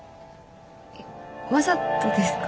わざとですか？